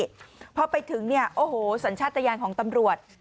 หอเพราะไปถึงสัญชาติตะยานของตำรวจ